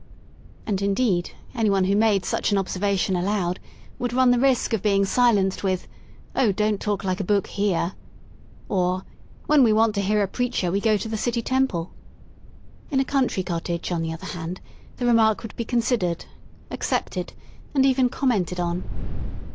And indeed, anyone who made such an observation atoud, would run the risk of being silenced with: Oh, don't talk like a book here/' Or: '* When we want to hear a preacher, we go to the City Temple/' In a country cot^ge> on the other hand» the remark would be considered, accepted, and even commented on.